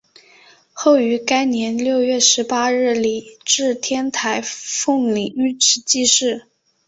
后于该年六月十八日礼置天台奉领玉旨济世。